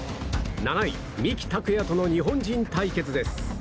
７位、三木拓也との日本人対決です。